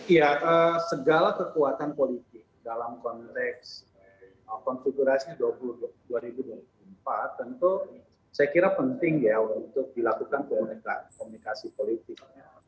ya segala kekuatan politik dalam konteks konfigurasi dua ribu dua puluh empat tentu saya kira penting ya untuk dilakukan komunikasi politik